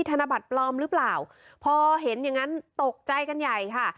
ธนบัตรปลอมหรือเปล่าพอเห็นอย่างงั้นตกใจกันใหญ่ค่ะ